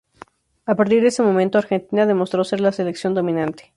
A partir de ese momento Argentina demostró ser la selección dominante.